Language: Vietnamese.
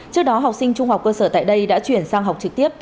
trước đó học sinh trung học cơ sở tại đây đã chuyển sang học trực tiếp